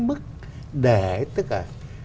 mức để tất cả